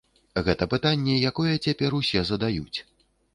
Гэта пытанне, якое цяпер усе задаюць.